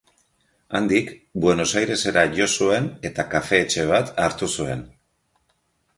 Handik Buenos Airesera jo zuen eta kafe-etxe bat hartu zuen.